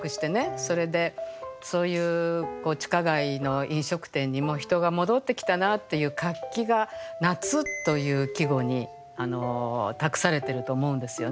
それでそういう地下街の飲食店にも人が戻ってきたなっていう活気が「夏」という季語に託されてると思うんですよね。